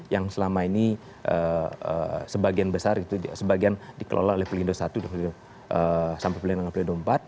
yang selama ini sebagian besar sebagian dikelola oleh pelindung satu sampai pelindung empat